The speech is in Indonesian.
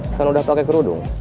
kan udah pakai kerudung